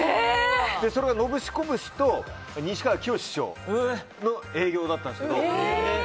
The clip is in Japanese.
それがノブシコブシと西川きよし師匠の営業だったんですけど。